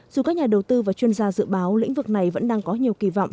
dù các nhà đầu tư và chuyên gia dự báo lĩnh vực này vẫn đang có nhiều kỳ vọng